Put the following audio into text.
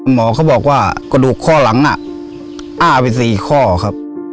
หมอเขาบอกว่ากระดูกข้อหลังอ้าไป๔ข้อครับ